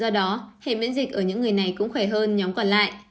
do đó hệ miễn dịch ở những người này cũng khỏe hơn nhóm còn lại